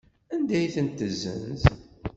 Anda ay ten-tessenz?